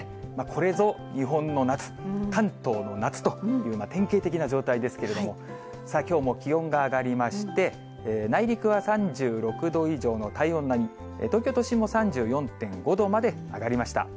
これぞ日本の夏、関東の夏という、典型的な状態ですけれども、きょうも気温が上がりまして、内陸は３６度以上の体温並み、東京都心も３４．５度まで上がりました。